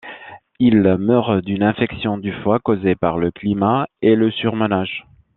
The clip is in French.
Il meurt d’une infection du foie causée par le climat et le surmenage.